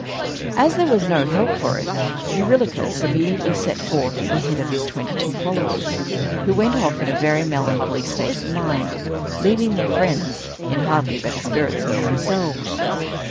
As there was no help for it, Eurylochus immediately set forth at the head of his twenty two followers, who went off in a very melancholy state of mind, leaving their friends in hardly better spirits than themselves.